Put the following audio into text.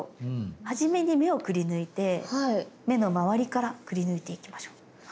初めに目をくりぬいて目のまわりからくりぬいていきましょう。